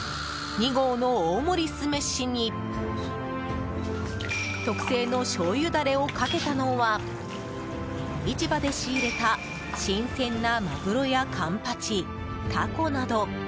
２合の大盛り酢飯に特製のしょうゆダレをかけたのは市場で仕入れた新鮮なマグロやカンパチ、タコなど。